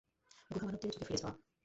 গুহা মানবদের যুগে ফিরে যাওয়া।